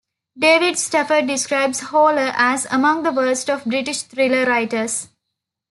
David Stafford describes Horler as "among the worst" of British thriller writers.